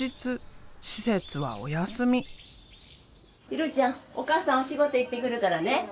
ひろちゃんお母さんお仕事行ってくるからね。